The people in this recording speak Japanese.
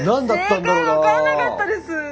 正解分からなかったです。